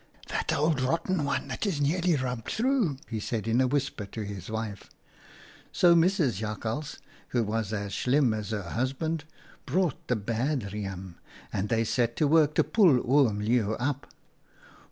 That old rotten one that is nearly rubbed through,' he said in a whisper to his wife. " So Mrs. Jakhals, who was as slim as her husband, brought the bad riem, and they set to work to pull Oom Leeuw up.